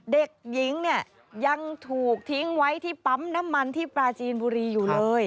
เด็กหญิงเนี่ยยังถูกทิ้งไว้ที่ปั๊มน้ำมันที่ปราจีนบุรีอยู่เลย